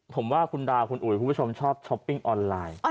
ผมว่าคุณดาวคุณอุ๋ยคุณผู้ชมชอบช้อปปิ้งออนไลน์